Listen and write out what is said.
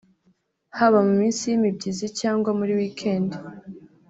haba mu minsi y’imibyizi cyangwa muri wikendi